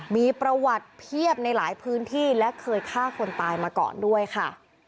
มีประวัติเพียบในหลายพื้นที่และเคยฆ่าคนตายมาก่อนด้วยค่ะ